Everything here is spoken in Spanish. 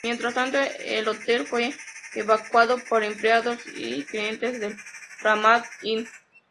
Mientras tanto, el hotel fue evacuado por empleados y clientes del Ramada Inn.